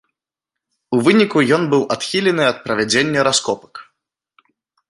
У выніку ён быў адхілены ад правядзення раскопак.